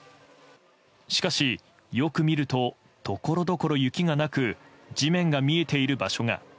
しかし、よく見るとところどころ雪がなく地面が見えている場所が。